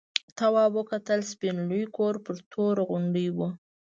تواب وکتل سپین لوی کور پر توره غونډۍ و.